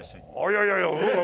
いやいやいや僕は。